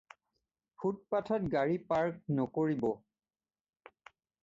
ফুটপাথত গাড়ী পাৰ্ক নকৰিব।